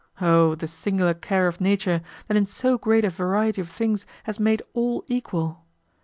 O the singular care of Nature, that in so great a variety of things has made all equal!